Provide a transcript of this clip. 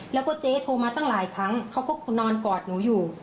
แล้วก็เจ๊โทรมาตั้งหลายครั้งเขาก็นอนกอดหนูอยู่